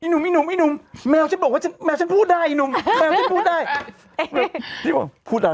นี่นี่ดูอันนี้ดีกว่า